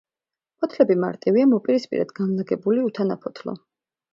ფოთლები მარტივია, მოპირისპირედ განლაგებული, უთანაფოთლო.